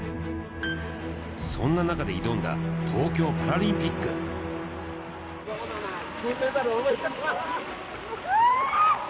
そんな中で挑んだ東京パラリンピックうわ！